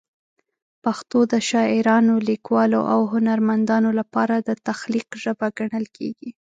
پښتو د شاعرانو، لیکوالو او هنرمندانو لپاره د تخلیق ژبه ګڼل کېږي.